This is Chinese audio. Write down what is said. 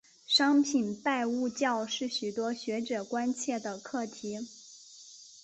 商品拜物教是许多学者关切的课题。